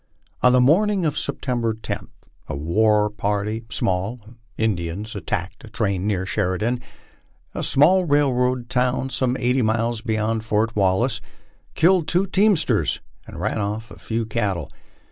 On the morning of September 10, a small war party of Indians attacked train near Sheridan, a small railroad town some eighty miles beyond Fort Wal lace, killed two teamsters and ran off a few cattle.